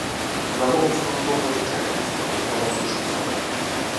Залогам свайго доўгага жыцця яна сама называла сушы і сон.